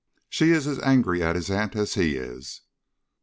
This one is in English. She is as angry at his aunt as he is.